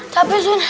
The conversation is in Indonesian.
siapa ya sun